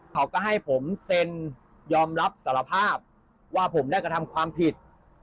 เขาก็ให้ผมเซ็นยอมรับสารภาพว่าผมได้กระทำความผิด